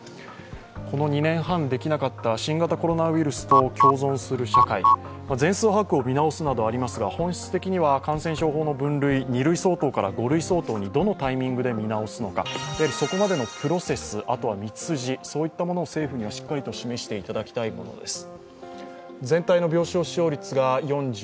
この２年半できなかった新型コロナウイルスと共存する社会、全数把握を見直すなどありますが本質的には感染症法の分類２類相当から５類相当にどのタイミングで見直すのか、そこまでのプロセス、道筋を政府にはしっかりと示してもらいたいものです。